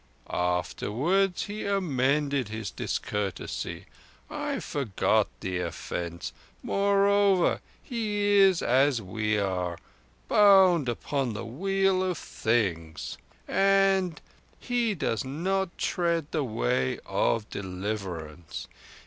Afterwards he amended his discourtesy, and I forgot the offence. Moreover, he is as we are, bound upon the Wheel of Things; but he does not tread the way of deliverance."